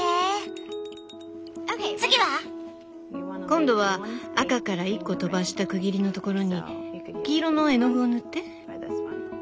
今度は赤から１個とばした区切りのところに黄色の絵の具を塗って。